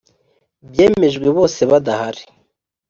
byemejwe bose badahari